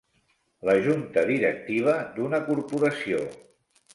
La junta directiva d'una corporació.